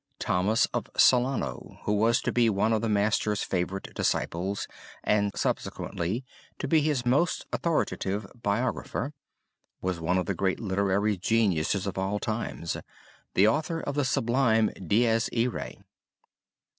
Thomas of Celano, who was to be one of the Master's favorite disciples and subsequently to be his most authoritative biographer, was one of the great literary geniuses of all times, the author of the sublime Dies Irae.